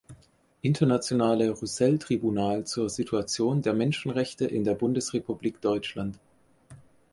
Internationale Russell-Tribunal“ zur Situation der Menschenrechte in der Bundesrepublik Deutschland.